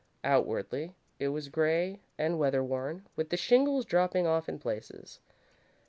Outwardly, it was grey and weather worn, with the shingles dropping off in places.